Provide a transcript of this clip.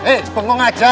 eh panggung aja